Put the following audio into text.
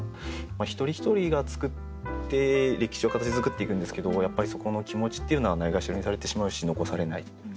一人一人が作って歴史を形づくっていくんですけどやっぱりそこの気持ちっていうのはないがしろにされてしまうし残されない。